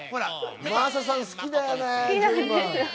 真麻さん好きだよね。